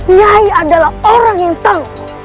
nyai adalah orang yang tahu